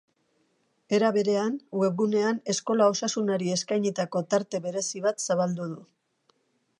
Era berean, webgunean eskola osasunari eskainitako tarte berezi bat zabaldu du.